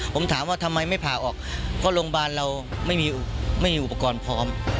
ผมถามว่าทำไมไม่ผ่าออกก็โรงพยาบาลเราไม่มีอุปกรณ์พร้อม